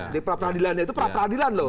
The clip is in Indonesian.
di peradilan itu peradilan loh